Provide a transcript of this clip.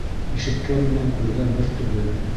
Ишеткән менән күргән бер түгел.